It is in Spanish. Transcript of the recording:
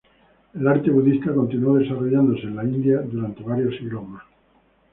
El arte budista continuó desarrollándose en India durante varios siglos más.